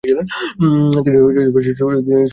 তিনি শোকার ঘরে চেয়ারে বসে ছিলেন।